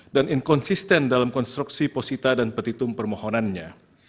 dan inkonsisten dalam konstruksi posita dan petitum permohonannya